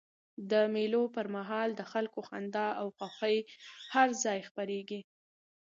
د مېلو پر مهال د خلکو خندا او خوښۍ هر ځای خپریږي.